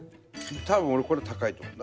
多分俺これ高いと思うんだ。